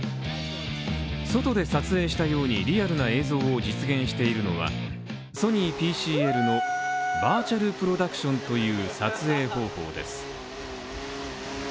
外で撮影したようにリアルな映像を実現しているのはソニーＰＣＬのバーチャルプロダクションという撮影方法です。